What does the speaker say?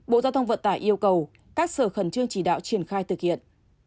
bộ giao thông vận tải yêu cầu các sở khẩn trương chỉ đạo triển khai thực hiện